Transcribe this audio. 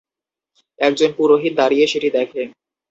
একজন পুরোহিত দাঁড়িয়ে সেটি দেখে।